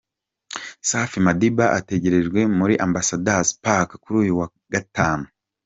Safi Madiba ategerejwe muri Ambassador's Park kuri uyu wa Gatanu.